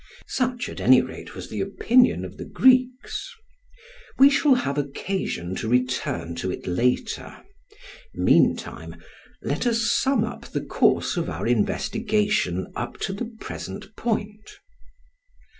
Such, at any rate, was the opinion of the Greeks. We shall have occasion to return to it later. Meantime, let us sum up the course of our investigation up to the present point.